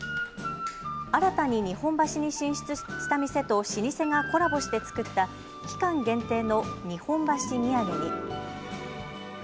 新たに日本橋に進出した店と老舗がコラボして作った期間限定の日本橋土産に。